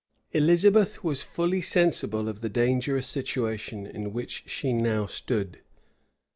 Elizabeth was fully sensible of the dangerous situation in which she now stood.